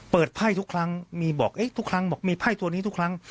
ไพ่ทุกครั้งมีบอกเอ๊ะทุกครั้งบอกมีไพ่ตัวนี้ทุกครั้ง